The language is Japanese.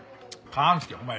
勘介お前